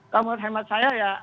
kalau menurut hemat saya ya